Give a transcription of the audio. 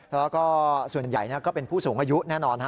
แล้วก็ส่วนใหญ่ก็เป็นผู้สูงอายุแน่นอน